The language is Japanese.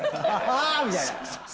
あ！みたいな。